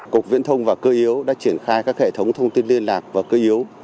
cục viễn thông và cơ yếu đã triển khai các hệ thống thông tin liên lạc và cơ yếu